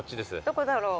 どこだろう。